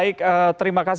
iya di laut